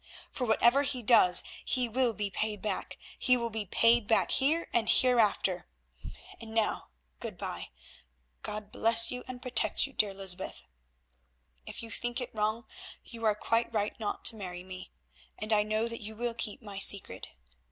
For whatever he does he will be paid back; he will be paid back here and hereafter. And now, good bye. God bless you and protect you, dear Lysbeth. If you think it wrong you are quite right not to marry me, and I know that you will keep my secret.